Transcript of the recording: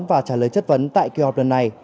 và trả lời chất vấn tại kỳ họp lần này